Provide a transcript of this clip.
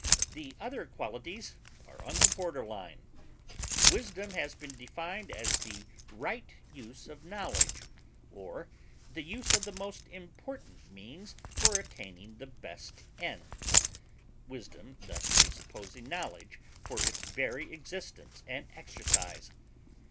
The other qualities are on the border line. Wisdom has been defined as "the right use of knowledge," or "the use of the most important means for attaining the best ends," wisdom thus presupposing knowledge for its very existence and exercise.